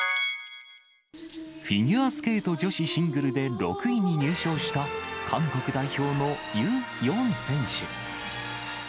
フィギュアスケート女子シングルで６位に入賞した、韓国代表のユ・ヨン選手。